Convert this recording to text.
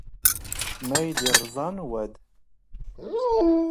ⵎⴰ ⴰⵢ ⵉⵕⵥⴰⵏ ⵡⴰⴷ?